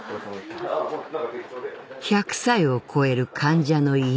１００歳を超える患者の家